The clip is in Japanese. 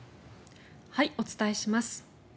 お伝えします。